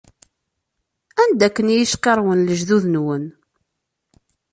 Anda akken i iyi-cqirrwen lejdud-nwen.